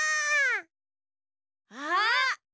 あっ！